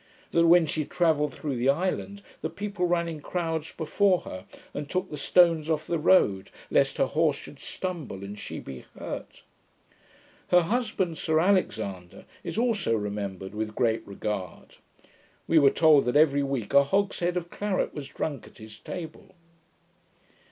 That when she travelled through the island, the people ran in crowds before her, and took the stones off the road, lest her horse should stumble and she be hurt. Her husband, Sir Alexander, is also remembered with great regard. We were told that every week a hogshead of claret was drunk at his table.